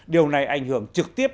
điều này ảnh hưởng trực tiếp